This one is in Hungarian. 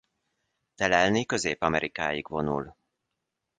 Telelni Közép-Amerikáig vonul.